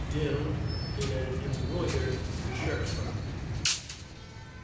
DILL IN AN EMBROIDERED SHIRT FRONT.